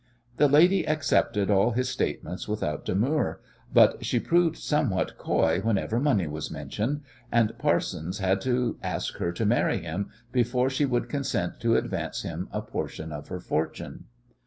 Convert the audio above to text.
The lady accepted all his statements without demur, but she proved somewhat coy whenever money was mentioned, and Parsons had to ask her to marry him before she would consent to advance him a portion of her fortune.